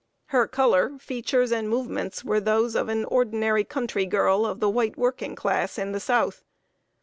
Her color, features, and movements were those of an ordinary country girl of the white working class in the South.